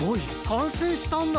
かんせいしたんだ！